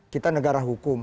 kita negara hukum